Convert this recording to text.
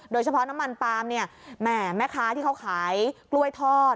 โดยเฉพาะน้ำมันปามเนี่ยแม่ค้าที่เขาขายกล้วยทอด